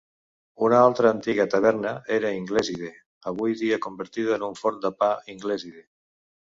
Una altra antiga taverna era Ingleside, avui dia convertida en el forn de pa Ingleside.